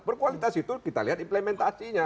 berkualitas itu kita lihat implementasinya